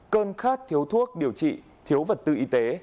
cơn khát thiếu thuốc điều trị thiếu vật tư y tế